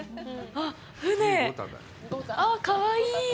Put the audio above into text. あっ、かわいい。